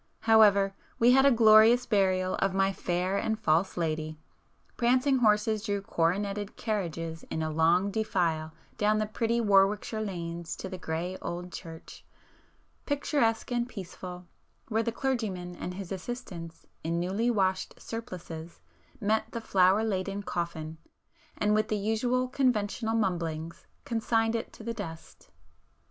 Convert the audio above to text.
However,—we had a glorious burial of my fair and false lady,—prancing horses drew coroneted carriages in a long defile down the pretty Warwickshire lanes to the grey old church, picturesque and peaceful, where the clergyman and his assistants in newly washed surplices, met the flower laden coffin, and with the usual conventional mumblings, consigned it to the dust.